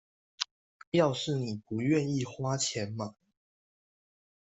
要是妳不願意花錢買